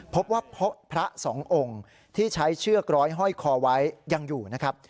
พบพระสององค์ที่ใช้เชือกร้อยห้อยคอไว้ยังอยู่นะครับ